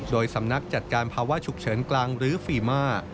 โดยสำนักจัดการภาวะฉุกเฉินกลางหรือฟีมา